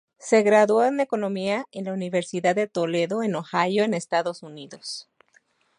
Se graduó en economía en la Universidad de Toledo en Ohio en Estados Unidos.